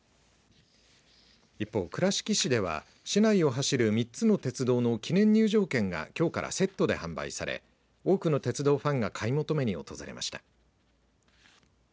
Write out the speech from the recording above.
一方、倉敷市では市内を走る３つの鉄道の記念入場券がきょうからセットで販売され多くの鉄道ファンが買い求めに訪れました。